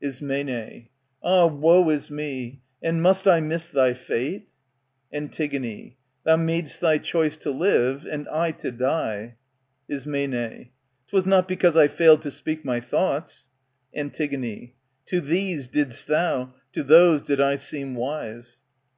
Ism. Ah, woe is me ! and must I miss thy fate ? A)itig, Thou mad'st thy choice to live, and I to die. Ism. 'Twas not because I failed to speak my thoughts. Antig, To these did'st thou, to those did I seem wise.